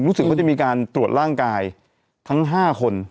รู้สึกว่าจะมีการตรวจร่างกายทั้ง๕คน